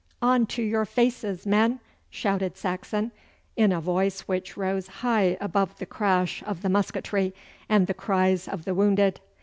'On to your faces, men!' shouted Saxon, in a voice which rose high above the crash of the musketry and the cries of the wounded.